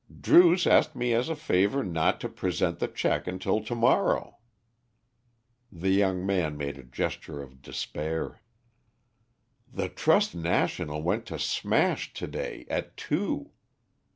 "Druce asked me as a favour not to present the cheque until to morrow." The young man made a gesture of despair. "The Trust National went to smash to day at two.